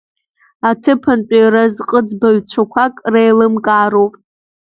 Аҭыԥантәи разҟыӡбаҩцәақәак реилымкаароуп.